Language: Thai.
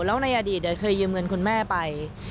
แล้วในอดีตเคยยืมเงินคุณแม่ไป